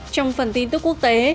trong phần tin tức quốc tế